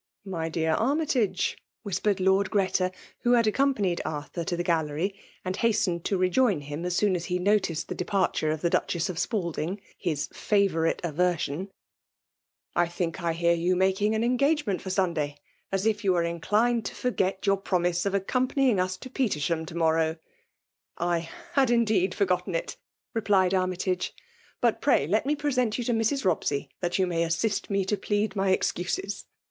'* VLj dear Annytage/' whispered Jjord 6reta» who had acoompanied Arthur to the gallery^ and hastened to rejoin him as soon as he noticed the departure of the Ducheas of Spalding* his ^ &YOurite aversion/* —" I think I hear you making an engagement for Sunday, as if you were inclined to forget your promise of accompanying us to Petersham to monow !'*'* I had indeed forgotten it/' replied Army* tage ;'' but pray let me present you to Mrs. Bobsey, that you may assist me to plead my excuses."